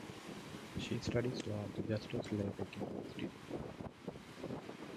She studies law at the Justus Liebig University.